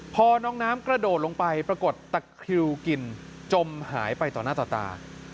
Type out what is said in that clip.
พอน้องน้ำกระโดดลงไปปรากฏตะคริวกินจมหายไปต่อหน้าต่อตา